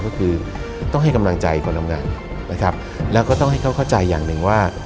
ก็คือต้องให้กำลังใจคนทำงานนะครับแล้วก็ต้องให้เขาเข้าใจอย่างหนึ่งว่า